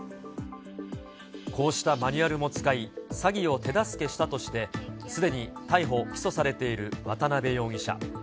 こうしたマニュアルも使い、詐欺を手助けしたとしてすでに逮捕・起訴されている渡辺容疑者。